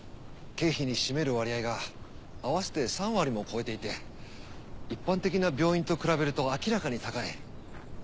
経費に占める割合が合わせて３割も超えていて一般的な病院と比べると明らかに高い。